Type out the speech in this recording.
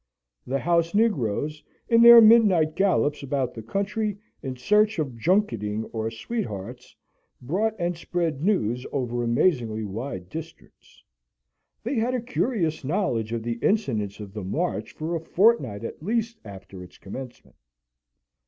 The house negroes, in their midnight gallops about the country, in search of junketing or sweethearts, brought and spread news over amazingly wide districts. They had a curious knowledge of the incidents of the march for a fortnight at least after its commencement.